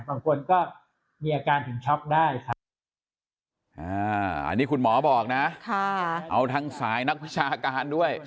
บางคนก็มีอาการถึงช็อปได้ครับ